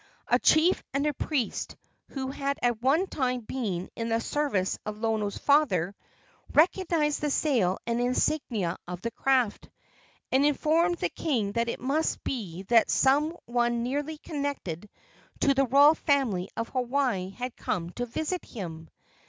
A chief and priest, who had at one time been in the service of Lono's father, recognized the sail and insignia of the craft, and informed the king that it must be that some one nearly connected with the royal family of Hawaii had come to visit him.